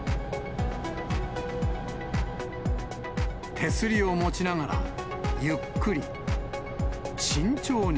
手すりを持ちながらゆっくり、慎重に。